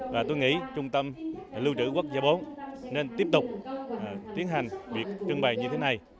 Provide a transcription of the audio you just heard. và tôi nghĩ trung tâm lưu trữ quốc gia bốn nên tiếp tục tiến hành việc trưng bày như thế này